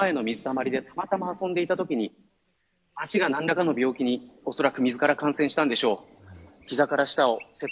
取材で出会った１０歳の少年は家の前の水たまりでたまたま遊んでいたときに足が何らかの病気に恐らく水から感染したんでしょう。